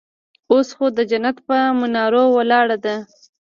اوس خو د جنت پهٔ منارو ولاړه ده